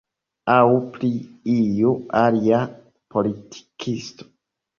Aŭ pri iu alia politikisto.